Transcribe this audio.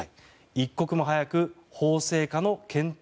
一刻も早く法制化の検討